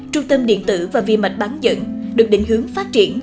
trung tâm điện tử và vi mạch bán dẫn được định hướng phát triển